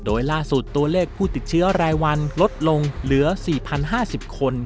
โดยล่าสุดตัวเลขผู้ติดเชื้อรายวันลดลงเหลือ๔๐๕๐คน